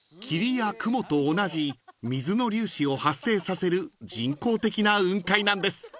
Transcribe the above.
［霧や雲と同じ水の粒子を発生させる人工的な雲海なんです］